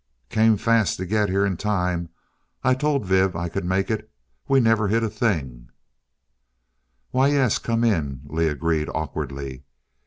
"Came fas' to get here in time. I tol' Viv I could make it we never hit a thing " "Why, yes come in," Lee agreed awkwardly.